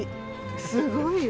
すごいよ。